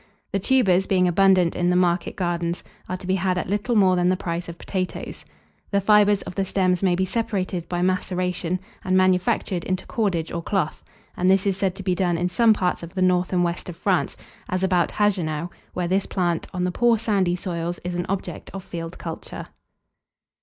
The tubers, being abundant in the market gardens, are to be had at little more than the price of potatoes. The fibres of the stems may be separated by maceration, and manufactured into cordage or cloth; and this is said to be done in some parts of the north and west of France, as about Hagenau, where this plant, on the poor sandy soils, is an object of field culture.